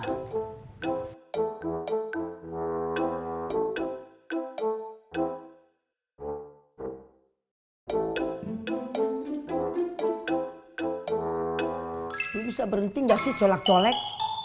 lu bisa berhenti nggak sih colak colak